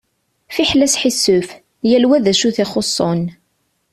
Fiḥel asḥisef, yal wa d acu i t-ixuṣen.